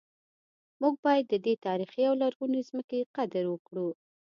موږ باید د دې تاریخي او لرغونې ځمکې قدر وکړو